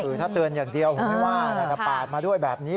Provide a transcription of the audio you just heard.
คือถ้าเตือนอย่างเดียวผมไม่ว่าน่าจะปาดมาด้วยแบบนี้